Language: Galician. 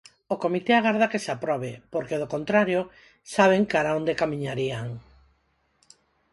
O comité agarda que se aprobe, porque, do contrario, saben cara a onde camiñarían...